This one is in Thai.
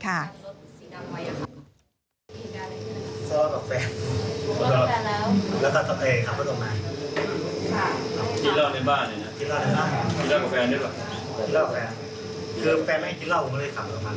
คางหลักระเดีย